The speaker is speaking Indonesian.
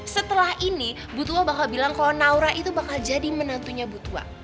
setelah ini butua bakal bilang kalau naura itu bakal jadi menantunya butua